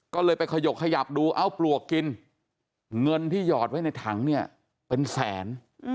ก็เลยไปขยกขยับดูเอ้าปลวกกินเงินที่หยอดไว้ในถังเนี่ยเป็นแสน